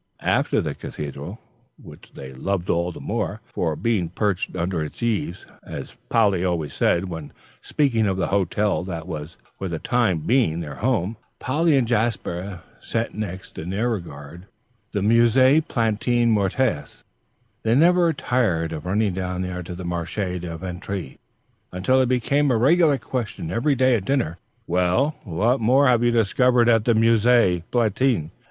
After the Cathedral, which they loved all the more, "for being perched under its eaves" (as Polly always said when speaking of the hotel that was for the time being their home), Polly and Jasper set next in their regard the Musée Plantin Moretus. They were never tired of running down there to the Marché du Vendredi, until it became a regular question every day at dinner, "Well, what more have you discovered at the Musée Plantin?"